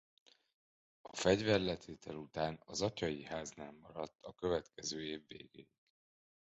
A fegyverletétel után az atyai háznál maradt a következő év végéig.